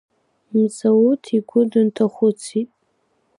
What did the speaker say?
Мзауҭ игәы дынҭахәыцит.